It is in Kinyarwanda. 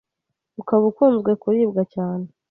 ukaba ukunzwe kuribwa cyane